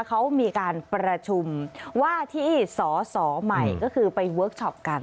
เขามีการประชุมว่าที่สอสอใหม่ก็คือไปเวิร์คชอปกัน